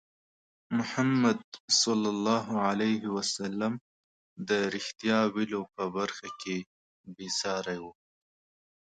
محمد صلى الله عليه وسلم د رښتیا ویلو په برخه کې بې ساری وو.